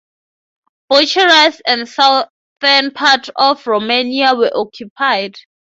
Bucharest and the southern part of Romania were occupied.